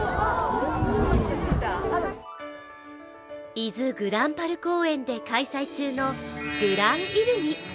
伊豆ぐらんぱる公園で開催中のグランイルミ。